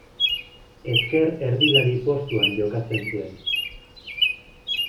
Ezker erdilari postuan jokatzen zuen.